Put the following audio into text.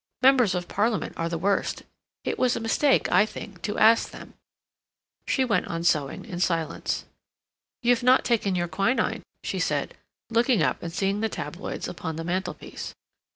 Members of Parliament are the worst; it was a mistake, I think, to ask them." She went on sewing in silence. "You've not taken your quinine," she said, looking up and seeing the tabloids upon the mantelpiece.